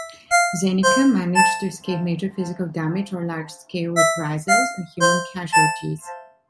Zenica managed to escape major physical damage or large-scale reprisals and human casualties.